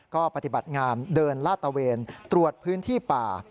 ก็ปฏิบัติงามเดินลาดตะเวนตรวจพื้นที่ป่า